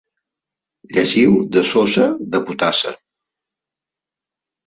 Lleixiu de sosa, de potassa.